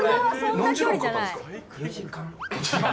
何時間かかったんですか？